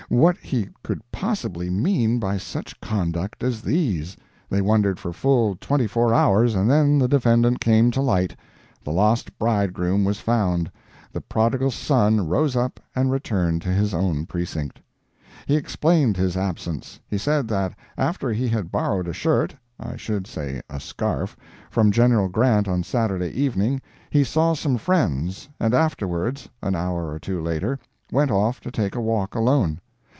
—what he could possibly mean by "such conduct as these." They wondered for full twenty four hours, and then the defendant came to light—the lost bridegroom was found—the Prodigal Son rose up and returned to his own precinct. He explained his absence. He said that after he had borrowed a shirt—I should say a scarf—from General Grant on Saturday evening, he saw some friends, and afterwards, an hour or two later, went off to take a walk alone.